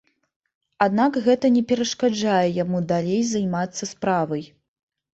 Аднак гэта не перашкаджае яму далей займацца справай.